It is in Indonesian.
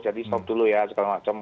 jadi stop dulu ya segala macam